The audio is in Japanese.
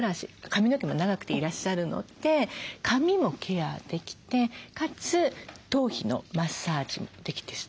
髪の毛も長くていらっしゃるので髪もケアできてかつ頭皮のマッサージもできてしまうというものです。